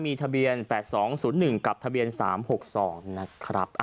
มีทะเบียน๘๒๐๑กับทะเบียน๓๖๒นะครับ